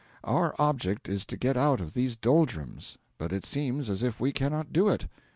Our object is to get out of these doldrums, but it seems as if we cannot do it.